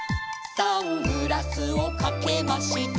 「サングラスをかけました」